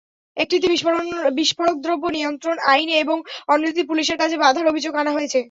একটিতে বিস্ফোরকদ্রব্য নিয়ন্ত্রণ আইনে এবং অন্যটিতে পুলিশের কাজে বাধার অভিযোগ আনা হয়েছে।